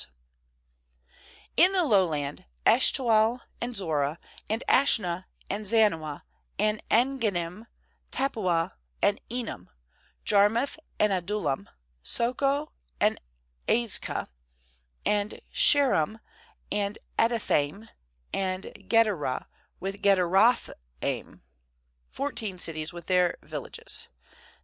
1533 JOSHUA ^In the Lowland: Eshtaol, and Zorah, and Ashnah; Mand Zanoah, and En gannim, Tappuah, and Enam; 35Jarmuth, and Adullam, Socoh, and Azekah; 36and Shaaraim, and Adi thainx, and Gederah, with. Gederoth aim; fourteen cities with their villages.